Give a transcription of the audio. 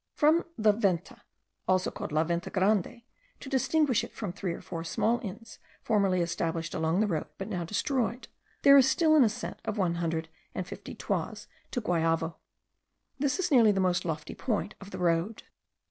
From the Venta, called also La Venta Grande, to distinguish it from three or four small inns formerly established along the road, but now destroyed, there is still an ascent of one hundred and fifty toises to Guayavo. This is nearly the most lofty point of the road.